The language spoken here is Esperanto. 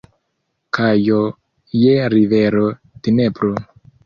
Kajo je rivero Dnepro.